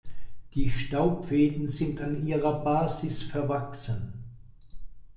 Die Staubfäden sind an ihrer Basis verwachsen.